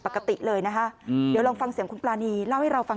ปกติเลยนะคะเดี๋ยวลองฟังเสียงคุณปรานีเล่าให้เราฟัง